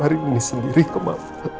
harus ngamarin ini sendiri ke mama